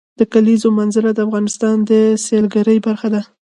د کلیزو منظره د افغانستان د سیلګرۍ برخه ده.